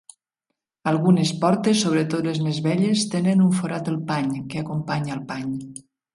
Algunes portes, sobretot les més velles, tenen un forat del pany que acompanya el pany.